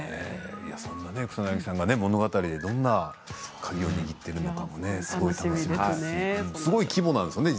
そんな草なぎさんが物語でどんな鍵を握っているのか気になりますね。